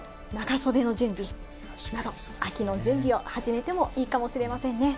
そろそろ長袖の準備など秋の準備を始めてもいいかもしれませんね。